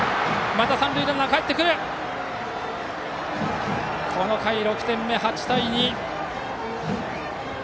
三塁ランナー、かえってきてこの回６点目、８対２！